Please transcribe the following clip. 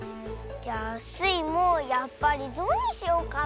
じゃあスイもやっぱりゾウにしようかなあ。